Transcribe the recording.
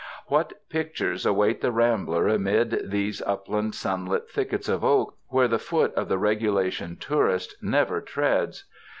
What pictures await the rambler amid these up land sunlit thickets of oak, where the foot of the regulation tourist never treads